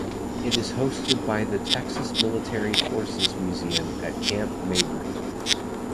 It is hosted by the Texas Military Forces Museum at Camp Mabry.